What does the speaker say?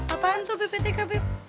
apaan tuh bptk beb